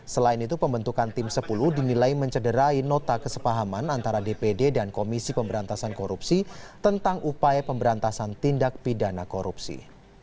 selain itu pembentukan tim sepuluh dinilai mencederai nota kesepahaman antara dpd dan komisi pemberantasan korupsi tentang upaya pemberantasan tindak pidana korupsi